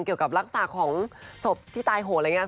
เกี่ยวกับลักษณะของศพที่ตายโหดอะไรอย่างนี้